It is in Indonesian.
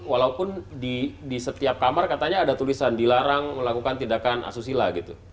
walaupun di setiap kamar katanya ada tulisan dilarang melakukan tindakan asusila gitu